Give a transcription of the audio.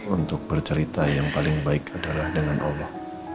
untuk bercerita yang paling baik adalah dengan allah